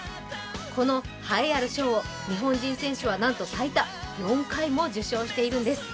この栄えある賞を日本人選手はなんと最多４回も受賞しているんです。